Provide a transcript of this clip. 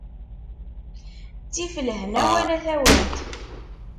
Ttif lehna wala tawant.